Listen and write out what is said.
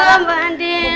udah mbak andin